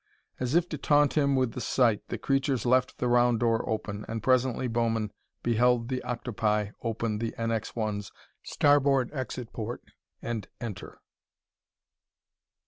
As if to taunt him with the sight, the creatures left the round door open, and presently Bowman beheld the octopi open the NX 1's starboard exit port and enter.